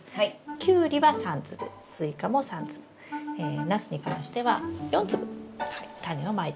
キュウリは３粒スイカも３粒ナスに関しては４粒タネをまいてください。